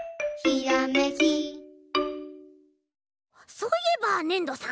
そういえばねんどさん？